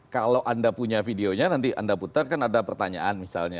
kalau anda punya videonya nanti anda putar kan ada pertanyaan misalnya